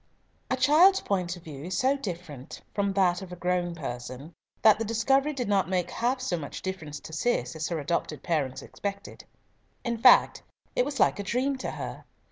A child's point of view is so different from that of a grown person, that the discovery did not make half so much difference to Cis as her adopted parents expected. In fact it was like a dream to her.